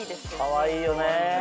かわいいよね！